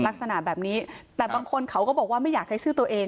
ลักษณะแบบนี้แต่บางคนเขาก็บอกว่าไม่อยากใช้ชื่อตัวเอง